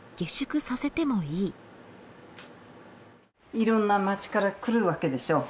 いろんな町から来るわけでしょ。